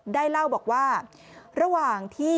ได้เล่าว่าระหว่างที่